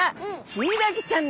ヒイラギちゃん。